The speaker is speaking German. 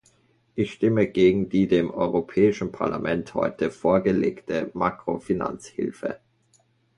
Ich stimme gegen die dem Europäischen Parlament heute vorgelegte Makrofinanzhilfe.